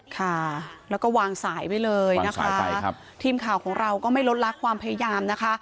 ค่ะแล้วก็วางสายไว้เลยนะคะทีมข่าวของเราก็ไม่ลดลักความพยายามนะคะ